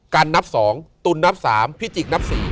นับ๒ตุลนับ๓พิจิกนับ๔